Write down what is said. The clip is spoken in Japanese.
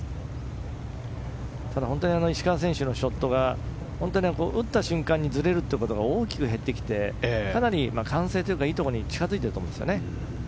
ただ、本当に石川選手のショットが打った瞬間にずれることが大きく減ってきてかなり完成というかいいところに近づいていると思うんですよね。